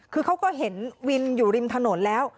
คือเขาก็เห็นวินอยู่ริมถนนแล้ว